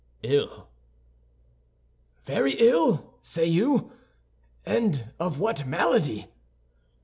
"Ill—" "Very ill, say you? And of what malady?"